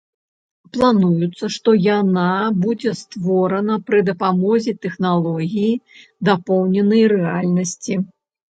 Плануецца, што яна будзе створана пры дапамозе тэхналогіі дапоўненай рэальнасці.